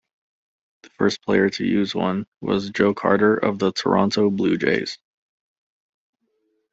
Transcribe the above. The first player to use one was Joe Carter of the Toronto Blue Jays.